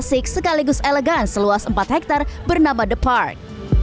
memiliki desain klasik sekaligus elegan seluas empat hektare bernama the park